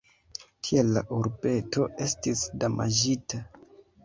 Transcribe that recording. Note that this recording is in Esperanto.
Tial la urbeto estis damaĝita.